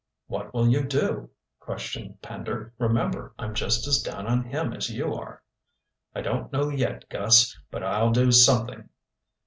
"What will you do?" questioned Pender. "Remember, I'm just as down on him as you are." "I don't know yet, Gus. But I'll do something."